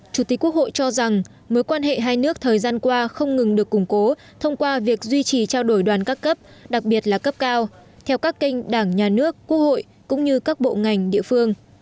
chủ tịch quốc hội cho rằng mối quan hệ hai nước thời gian qua không ngừng được củng cố thông qua việc duy trì trao đổi đoàn các cấp đặc biệt là cấp cao theo các kênh đảng nhà nước quốc hội cũng như các bộ ngành địa phương